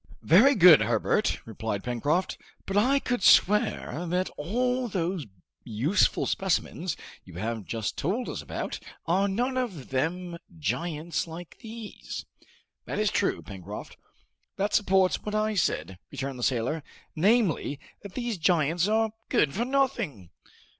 "Very good, Herbert," replied Pencroft, "but I could swear that all those useful specimens you have just told us about are none of them giants like these!" "That is true, Pencroft." "That supports what I said," returned the sailor, "namely, that these giants are good for nothing!"